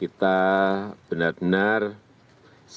kita benar benar akan berjalan dengan baik